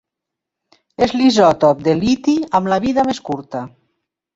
És l'isòtop de liti amb la vida més curta.